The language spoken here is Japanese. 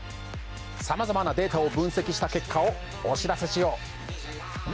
さまざまなデータを分析した結果をお知らせしよう。